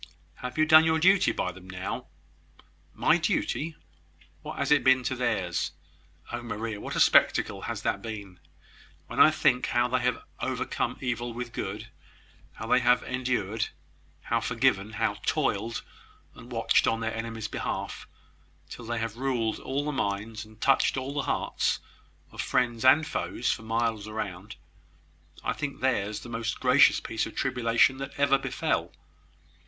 "You have done your duty by them: now " "My duty! What has it been to theirs? Oh, Maria! what a spectacle has that been! When I think how they have `overcome evil with good,' how they have endured, how forgiven, how toiled and watched on their enemies' behalf, till they have ruled all the minds, and touched all the hearts, of friends and foes for miles round, I think theirs the most gracious piece of tribulation that ever befell.